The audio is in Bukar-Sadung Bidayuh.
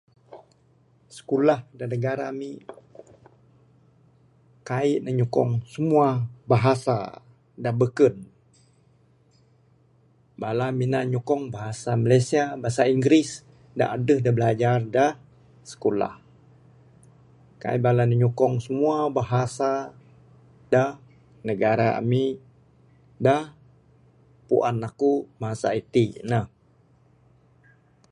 Sikulah da negara ami, kaik ne nyukong semua bahasa da beken. Bala ne mina nyukong bahasa Malaysia, Bahasa inggeris da adeh da bilajar da sikulah. Kaik bala ne nyukong semua bahasa da negara ami da puan aku masa iti neh